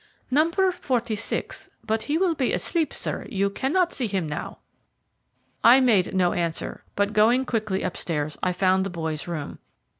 "Number forty six. But he will be asleep, sir; you cannot see him now." I made no answer, but going quickly upstairs, I found the boy's room.